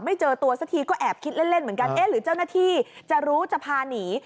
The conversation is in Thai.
เจอตัวสักทีก็แอบคิดเล่นเหมือนกันเอ๊ะหรือเจ้าหน้าที่จะรู้จะพาหนี